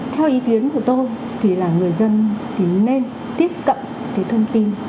theo ý kiến của tôi thì là người dân thì nên tiếp cận cái thông tin